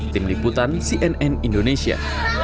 tim liputan cnn indonesia